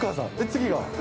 次が？